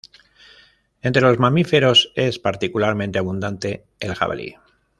Entre los mamíferos es particularmente abundante el jabalí.